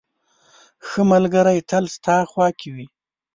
• ښه ملګری تل ستا خوا کې وي.